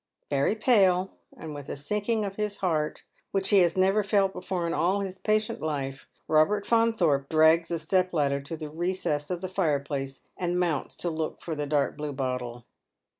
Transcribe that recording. Very palo, and with a sinking of his heart which he has never felt before in all his patient life, Robert Fauntliorpe drags the Etep ladder to the recess of the fireplace, and mounts to look for the dark blue bottle.